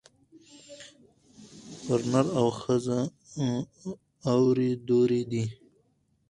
پر نر او ښځي اوري دُرې دي